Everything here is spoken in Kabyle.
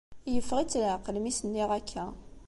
Yeffeɣ-itt leɛqel mi s-nniɣ akka.